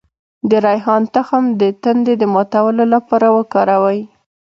د ریحان تخم د تندې د ماتولو لپاره وکاروئ